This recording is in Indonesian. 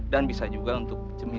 dan bisa juga untuk cincin